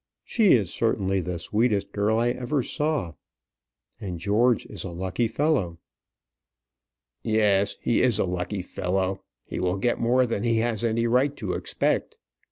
She is certainly the sweetest girl I ever saw; and George is a lucky fellow." "Yes, he is a lucky fellow; he will get more than he has any right to expect.